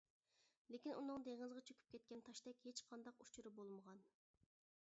لېكىن ئۇنىڭ دېڭىزغا چۆكۈپ كەتكەن تاشتەك ھېچقانداق ئۇچۇرى بولمىغان.